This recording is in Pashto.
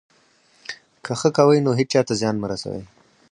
که ښه کوئ، نو هېچا ته زیان مه رسوئ.